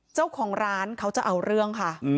เจ้าของร้านเขาจะเอาเรื่องค่ะ